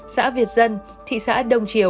xã việt dân thị xã đông triều